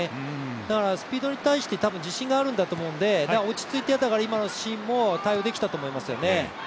だからスピードに対して自信があるんだと思うので落ち着いて、今のシーンも対応できたと思いますよね。